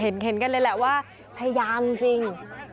เห็นกันเลยแหละว่าพยายามจริง